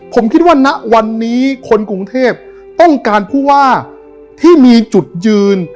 ผมคิดว่าณวันนี้คนกรุงเทพต้องการผู้ว่าที่มีจุดยืน